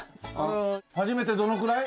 始めてどのくらい？